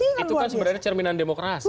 itu kan sebenarnya cerminan demokrasi